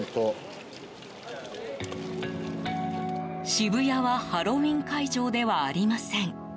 渋谷は、ハロウィーン会場ではありません。